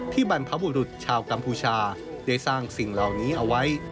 บรรพบุรุษชาวกัมพูชาได้สร้างสิ่งเหล่านี้เอาไว้